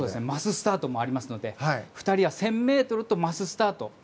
マススタートもありますので２人は１０００ｍとマススタート。